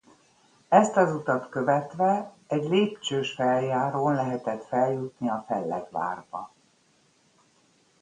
Ezt az utat követve egy lépcsős feljárón lehetett feljutni a Fellegvárba.